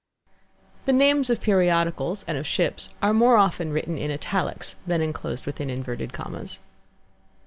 The names of periodicals and of ships are more often written in italics than enclosed within inverted commas.